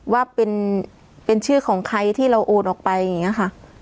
ว่าเป็นชื่อของใครที่เราโอนออกไปอย่างนี้ค่ะ